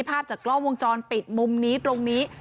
ภาพจากกล้องวงจรปิดมุมนี้ตรงนี้